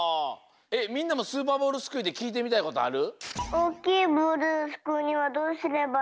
みんなもスーパーボールすくいできいてみたいことある？